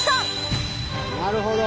なるほど！